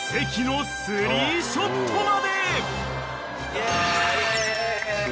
イェーイ！